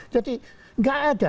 jadi enggak ada